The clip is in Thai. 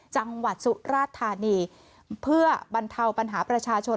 จังหวัดสุราธานีเพื่อบรรเทาปัญหาประชาชน